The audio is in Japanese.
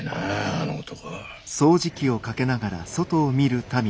あの男。